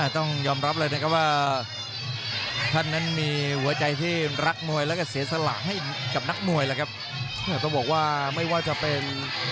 ต้องบอกว่าไม่ว่าจะเป็น